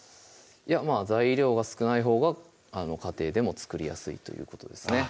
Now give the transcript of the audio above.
いやまぁ材料が少ないほうが家庭でも作りやすいということですね